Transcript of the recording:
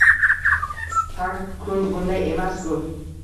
Har kun bunday emasku...